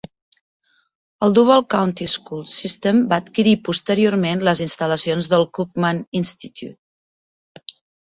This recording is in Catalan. El "Duval County School System" va adquirir posteriorment les instal·lacions del "Cookman Institute".